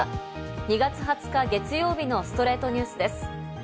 ２月２０日、月曜日の『ストレイトニュース』です。